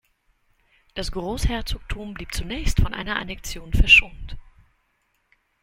Das Großherzogtum blieb zunächst von einer Annexion verschont.